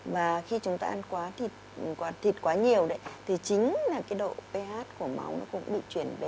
và khi chúng ta ăn thịt quá nhiều thì chính là cái độ ph của máu nó cũng bị chuyển về